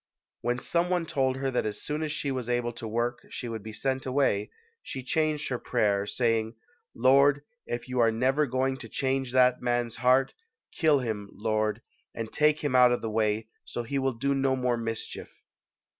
When some one told her that as soon as she was able to work, she would be sent away, she changed her prayer, saying: "Lord, if you are never going to change that man's heart, kill him, Lord, and take him out of the way, so he will do no more mischief".